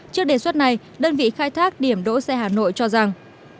trước đề xuất này đơn vị khai thác điểm đỗ xe hà nội cho rằng